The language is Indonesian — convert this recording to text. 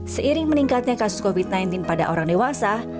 seiring meningkatnya kasus covid sembilan belas pada orang dewasa